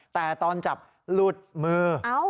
แต่ตอนจับหลุดมือ